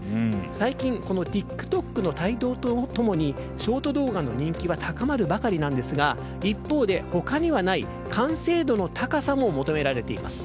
最近、ＴｉｋＴｏｋの台頭と共にショート動画の人気は高まるばかりなんですが一方で、他にはない完成度の高さも求められています。